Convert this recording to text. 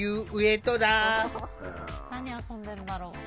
何遊んでんだろう。